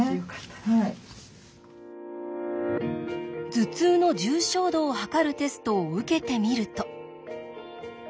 頭痛の重症度を測るテストを受けてみると。